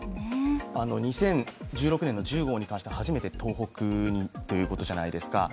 ２０１６年の１０号に関して、初めて東北にということじゃないですか。